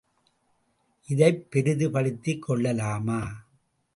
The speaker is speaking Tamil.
இதைப் பெரிதுபடுத்திக் கொள்ளலாமா?